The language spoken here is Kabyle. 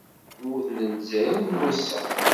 Deg tmurt n Lezzayer n wass-a.